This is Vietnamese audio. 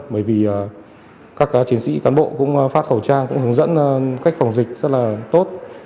bởi vì các chiến sĩ cán bộ cũng phát khẩu trang cũng hướng dẫn cách phòng dịch rất là tốt